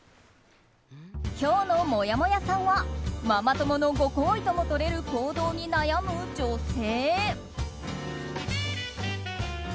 今日のもやもやさんはママ友のご厚意とも取れる行動に悩む女性。